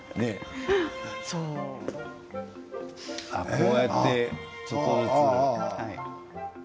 こうやってちょっとずつ。